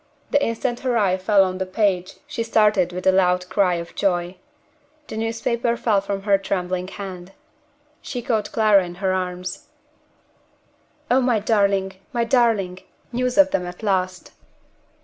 The instant her eye fell on the page she started with a loud cry of joy. The newspaper fell from her trembling hand. She caught Clara in her arms. "Oh, my darling! my darling! news of them at last."